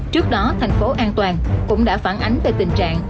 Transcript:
trước đó thành phố an toàn cũng đã phản ánh về tình trạng